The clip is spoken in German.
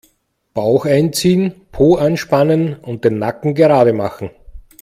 Bauch einziehen, Po anspannen und den Nacken gerade machen.